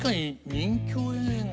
任侠映画。